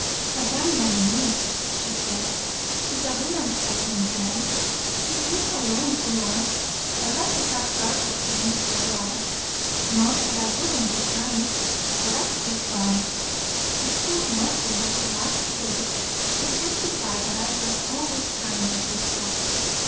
"What that man needs," she said, "is a woman's guiding hand. He's lived alone too long. I'd like to have charge of him for a while. Not that I wouldn't be kind but I'd be firm. If poor Norton was alive to day he'd testify that I was always kindness itself.